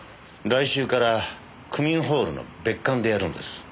来週から区民ホールの別館でやるんです。